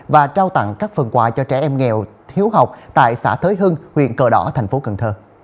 và trao tặng các phần quà cho trẻ em nghèo thiếu học tại xã thới hưng huyện cờ đỏ tp hcm